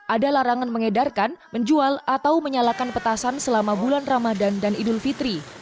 ada larangan mengedarkan menjual atau menyalakan petasan selama bulan ramadan dan idul fitri